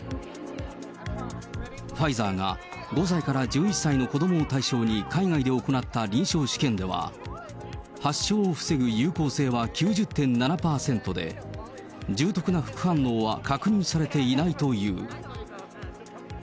ファイザーが５歳から１１歳の子どもを対象に海外で行った臨床試験では、発症を防ぐ有効性は９０．７％で、重篤な副反応は確認されていないという。